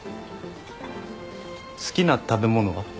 好きな食べ物は？